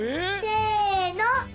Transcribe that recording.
せの。